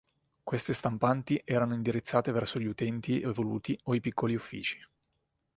Queste stampanti erano indirizzate verso gli utenti evoluti o i piccoli uffici.